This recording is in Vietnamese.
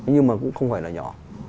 nhưng mà cũng không phải là nhỏ